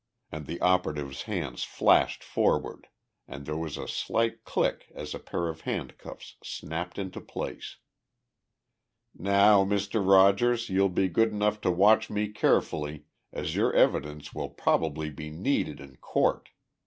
and the operative's hands flashed forward and there was a slight click as a pair of handcuffs snapped into place. "Now, Mr. Rogers, you'll be good enough to watch me carefully, as your evidence will probably be needed in court.